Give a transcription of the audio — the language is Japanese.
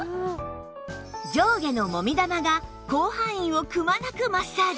上下のもみ玉が広範囲をくまなくマッサージ